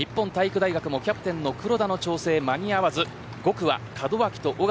日本体育大学もキャプテンの黒田の調整が間に合わず５区は門脇と尾方。